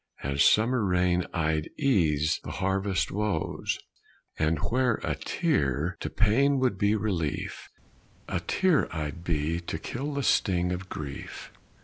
As summer rain I'd ease the harvest woes, And where a tear to pain would be relief, A tear I'd be to kill the sting of grief.